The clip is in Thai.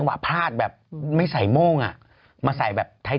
ก็ดูจากนี้ไปสมมุติว่าไป